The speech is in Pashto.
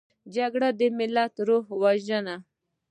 جګړه د ملت روح وژني